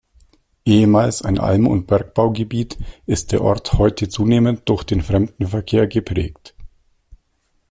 Ehemals ein Alm- und Bergbaugebiet, ist der Ort heute zunehmend durch den Fremdenverkehr geprägt.